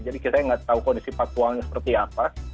jadi kita nggak tahu kondisi patualnya seperti apa